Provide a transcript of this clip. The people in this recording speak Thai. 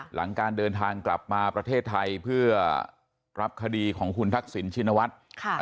หลังการเดินทางกลับมาประเทศไทยเพื่อรับคดีของคุณทักษิณชินวัฒน์